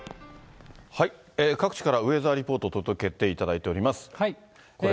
各地からウェザーリポート、届けていただいております。